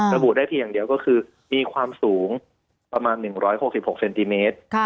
ระบุได้เพียงอย่างเดียวก็คือมีความสูงประมาณ๑๖๖เซนติเมตร